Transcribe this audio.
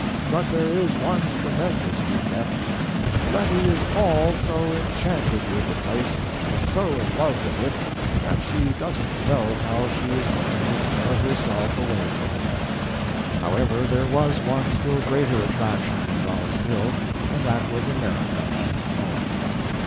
But there is one tremendous defect. Levy is all so enchanted with the place and so in love with it that she doesn't know how she is going to tear herself away from it." However, there was one still greater attraction than Dollis Hill, and that was America home.